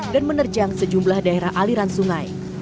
dan menerjang sejumlah daerah aliran sungai